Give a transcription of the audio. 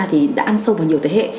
thì đã ăn sâu vào nhiều thế hệ